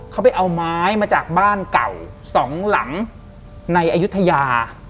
เขาไปเอาไม้มาจากบ้านเก่าสองหลังในอายุทยา